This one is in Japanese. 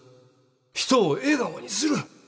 人を笑顔にする。